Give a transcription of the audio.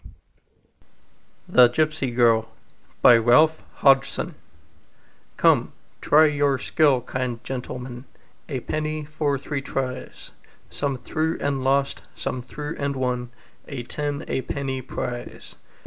Y Z The Gipsy Girl "COME, try your skill, kind gentlemen, A penny for three tries!" Some threw and lost, some threw and won A ten a penny prize.